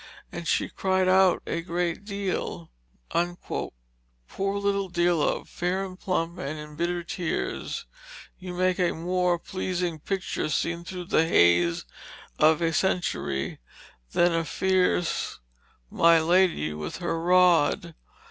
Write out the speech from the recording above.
and she cried out a great deal." Poor little Dearlove, fair and plump, and in bitter tears you make a more pleasing picture seen through the haze of a century than fierce my lady with her rod.